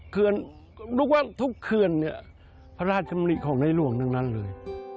เคลื่อนรู้ว่าทุกเคลื่อนเนี่ยพระราชสมริของในหลวงดังนั้นเลย